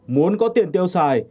muốn có tiền tiêu xài